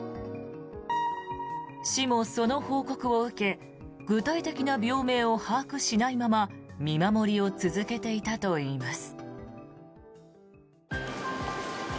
市もその報告を受け具体的な病名を把握しないまま見守りを続けていたといいます。